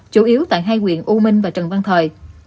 chủ yếu tại hai quyện u minh và trần văn thời